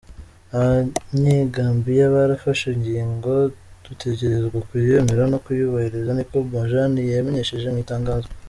"Abanye Gambia barafashe ingingo, dutegerezwa kuyemera no kwuyubahiriza," Ni ko Bojang yabimenyesheje mw'itangazo.